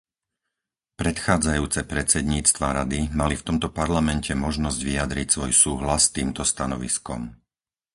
Predchádzajúce predsedníctva Rady mali v tomto Parlamente možnosť vyjadriť svoj súhlas s týmto stanoviskom.